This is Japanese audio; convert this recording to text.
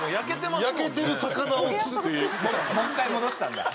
もう一回戻したんだ。